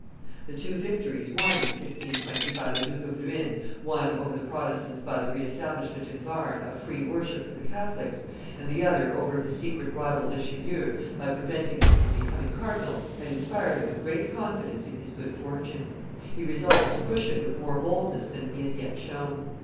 The two victories won in 1620 by the Duke of Luynes, one over the Protestants by the re establishment in Warn of free worship for the Catholics, and the other over his secret rival Richelieu, by preventing him from becoming cardinal, had inspired him with great confidence in his good fortune. He resolved to push it with more boldness than he had yet shown.